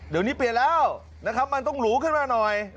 เดี๋ยวนี้เปลี่ยนแล้วนะครับมันต้องหรูขึ้นมาหน่อย